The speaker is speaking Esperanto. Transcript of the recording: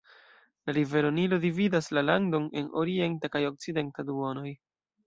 La rivero Nilo dividas la landon en orienta kaj okcidenta duonoj.